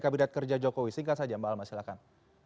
kabinet kerja jokowi singkat saja mbak almas silakan